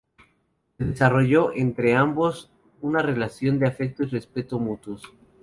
Se desarrolló entre ambos una relación de afecto y respeto mutuos.